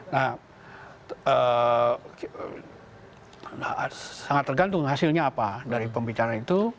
nah sangat tergantung hasilnya apa dari pembicaraan itu